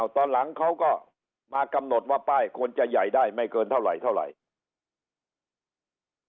ตอนหลังเขาก็มากำหนดว่าป้ายควรจะใหญ่ได้ไม่เกินเท่าไหร่